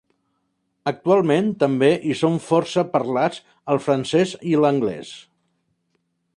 Actualment també hi són força parlats el francès i l'anglès.